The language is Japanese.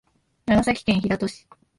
長崎県平戸市